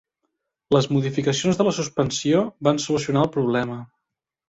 Les modificacions de la suspensió van solucionar el problema.